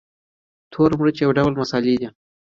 تور مرچ یو ډول مسالې دي